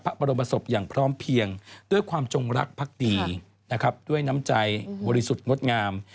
พระบรมศพอย่างพร้อมเพียงด้วยความจงรักพักดีนะครับด้วยน้ำใจบริสุทธิ์งดงาม